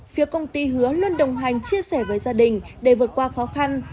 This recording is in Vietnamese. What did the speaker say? phía công ty hứa luôn đồng hành chia sẻ với gia đình để vượt qua khó khăn